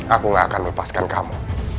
aku gak akan melepaskan kamu